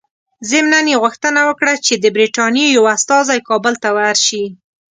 ضمناً یې غوښتنه وکړه چې د برټانیې یو استازی کابل ته ورسي.